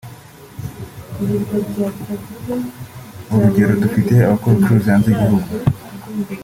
urugero dufite abakora ubucuruzi hanze y’igihugu